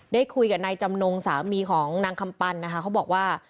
ได้คุยกับนายจำนงสามีของนางคำปันนะคะเขาบอกว่า